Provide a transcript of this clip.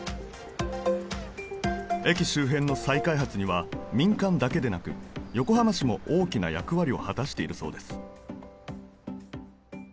駅周辺の再開発には民間だけでなく横浜市も大きな役割を果たしているそうです